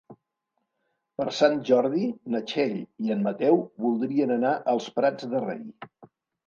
Per Sant Jordi na Txell i en Mateu voldrien anar als Prats de Rei.